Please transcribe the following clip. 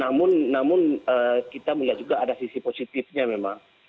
namun kita melihat juga ada sisi positifnya memang